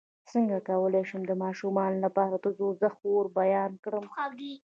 څنګه کولی شم د ماشومانو لپاره د دوزخ اور بیان کړم